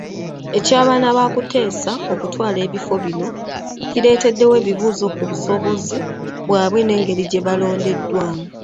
Eky'abaana ba Kuteesa okutwala ebifo bino kireetawo ebibuuzo ku busobozi bwabwe n'engeri gye balondebwamu.